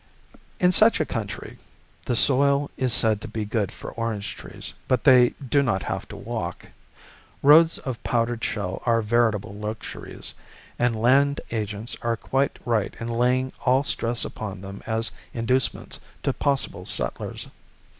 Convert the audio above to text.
In such a country (the soil is said to be good for orange trees, but they do not have to walk) roads of powdered shell are veritable luxuries, and land agents are quite right in laying all stress upon them as inducements to possible settlers.